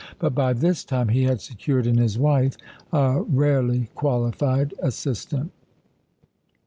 But by this time he had secured in his wife a rarely qualified assistant.